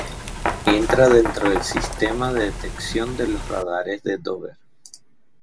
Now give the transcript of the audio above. Entran dentro del sistema de detección de los radares de Dover.